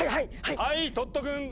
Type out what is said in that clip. はいトットくん！